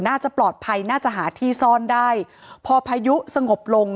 น่าจะปลอดภัยน่าจะหาที่ซ่อนได้พอพายุสงบลง